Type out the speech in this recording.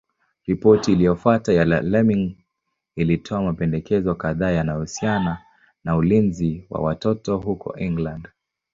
Ripoti iliyofuata ya Laming ilitoa mapendekezo kadhaa yanayohusiana na ulinzi wa watoto huko England.